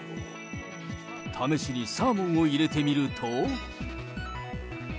試しにサーモンを入れてみると。